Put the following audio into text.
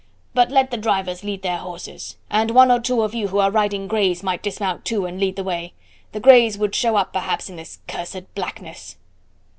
But let the drivers lead their horses, and one or two of you who are riding greys might dismount too and lead the way the greys would show up perhaps in this cursed blackness."